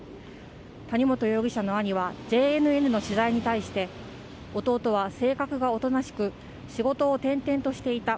谷本容疑者の兄はＪＮＮの取材に対して、弟は性格がおとなしく、仕事を転々としていた。